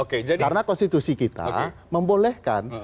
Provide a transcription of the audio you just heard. karena konstitusi kita membolehkan